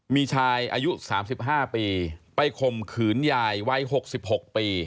มีชายอายุ๓๕ปีไปข่มขืนยายวัย๖๖ปี